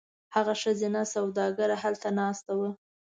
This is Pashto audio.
هغه ښځینه سوداګره هلته ناسته وه.